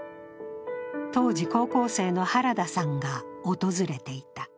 当時、高校生の原田さんが訪れていた。